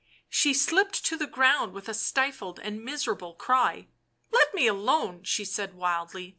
She slipped to the ground with a stifled and miserable cry. " Let me alone," she said wildly.